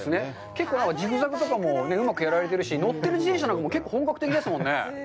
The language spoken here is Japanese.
結構、ジグザグとかもうまくやられているし、乗ってる自転車も結構本格的ですよね。